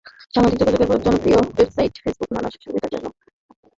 সামাজিক যোগাযোগের জনপ্রিয় ওয়েবসাইট ফেসবুকের নানা সুবিধার মধ্যে একটি ছিল ই-মেইল সেবা।